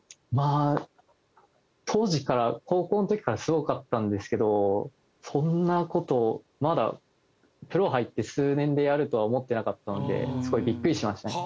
あ当時から高校の時からすごかったんですけどそんな事まだプロ入って数年でやるとは思ってなかったのですごいビックリしました。